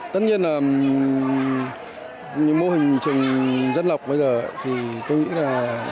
tất nhiên là mô hình trường dân lập bây giờ thì tôi nghĩ là